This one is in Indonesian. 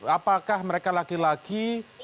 apakah mereka laki laki